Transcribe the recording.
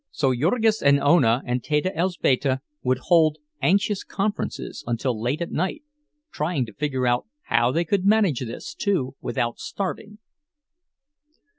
So Jurgis and Ona and Teta Elzbieta would hold anxious conferences until late at night, trying to figure how they could manage this too without starving.